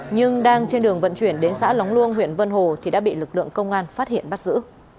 nhưng đang trên đường vận chuyển đến xã lóng luông huyện vân hồ thì đã bị lực lượng công an phát hiện bắt giữ